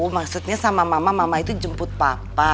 maksudnya sama mama mama itu jemput papa